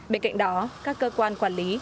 bên cạnh đó các cơ quan quản lý